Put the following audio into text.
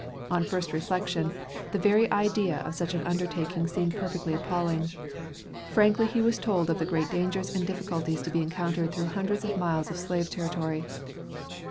On first reflection, the very idea of such an undertaking seemed perfectly appalling. Frankly was he told of the great dangers and difficulties to be encountered through hundreds of miles of slave territory.